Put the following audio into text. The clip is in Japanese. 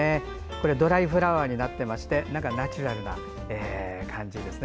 ドライフラワーになっていましてナチュラルな感じですね。